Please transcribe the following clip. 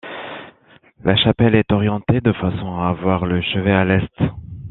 La chapelle est orientée de façon à avoir le chevet à l’est.